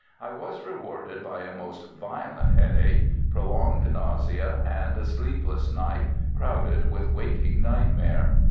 I was rewarded by a most violent headache, prolonged nausea, and a sleepless night crowded with waking nightmare.